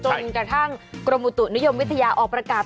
จนกระทั่งกรมประกาศนุยยมวิทยาจนออกประกาศ